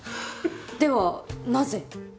ではなぜ？